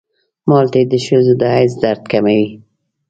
مالټې د ښځو د حیض درد کموي.